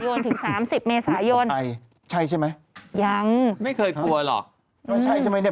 จนถึงสามสิบเมษายนใช่ใช่ไหมยังไม่เคยกลัวหรอกไม่ใช่ใช่ไหมเนี่ย